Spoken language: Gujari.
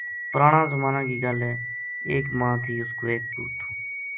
پرانا زمانا کی گل ہے ایک ماں تھی اُس کو ایک پوُت تھو